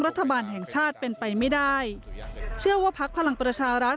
รัฐบาลแห่งชาติเป็นไปไม่ได้เชื่อว่าพักพลังประชารัฐ